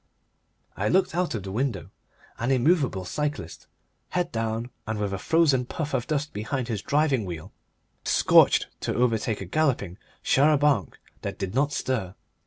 I looked out of the window. An immovable cyclist, head down and with a frozen puff of dust behind his driving wheel, scorched to overtake a galloping char a banc that did not stir.